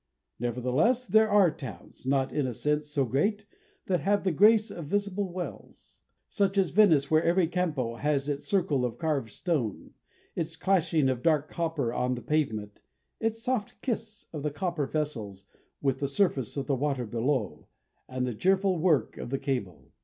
Nevertheless, there are towns, not, in a sense, so great, that have the grace of visible wells; such as Venice, where every campo has its circle of carved stone, its clashing of dark copper on the pavement, its soft kiss of the copper vessel with the surface of the water below, and the cheerful work of the cable.